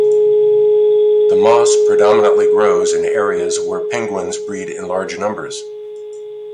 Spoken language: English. The moss predominantly grows in areas where penguins breed in large numbers.